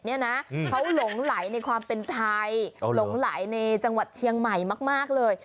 เขาหลงไหลในความเป็นไทยหลงไหลในจังหวัดเชียงใหม่มากเลย